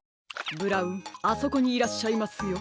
ブラウンあそこにいらっしゃいますよ。